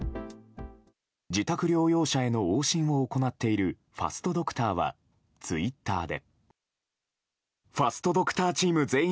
自宅療養者への往診を行っているファストドクターはツイッターで。